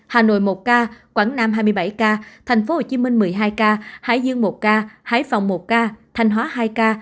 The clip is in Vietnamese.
hà nội một ca quảng nam hai mươi bảy ca tp hcm một mươi hai ca hải dương một ca hải phòng một ca thanh hóa hai ca